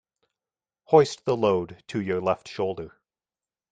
Hoist the load to your left shoulder.